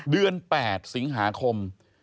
เดือน๘สิงหาคม